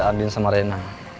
ada andien sama rena